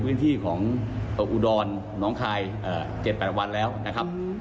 พื้นที่ของอุดรน้องคายเอ่อเจ็ดแปดวันแล้วนะครับหือหือ